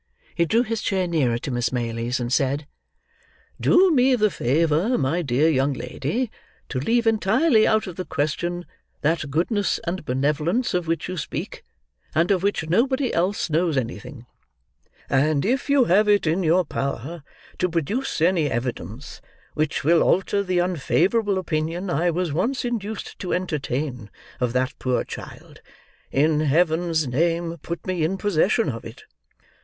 He drew his chair nearer to Miss Maylie's, and said, "Do me the favour, my dear young lady, to leave entirely out of the question that goodness and benevolence of which you speak, and of which nobody else knows anything; and if you have it in your power to produce any evidence which will alter the unfavourable opinion I was once induced to entertain of that poor child, in Heaven's name put me in possession of it."